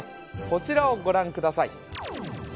こちらをご覧ください